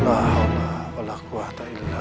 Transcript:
ampunilah ya allah